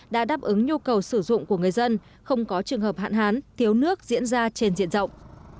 đã đáp ứng nhu cầu sử dụng của người dân không có trường hợp hạn hán thiếu nước diễn ra trên diện rộng